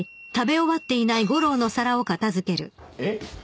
えっ？